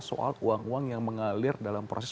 soal uang uang yang mengalir dalam proses